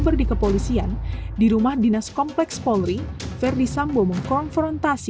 berdasarkan perintah sambong barada richard eliezer menangkap